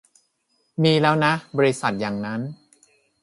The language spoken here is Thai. มีแล้วนะ บริษัทอย่างนั้น